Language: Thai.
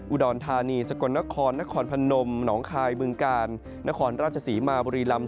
อุดรธานีสกลนครนครพนมหนองคายบึงกาลนครราชศรีมาบุรีลำ